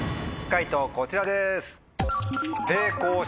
解答こちらです。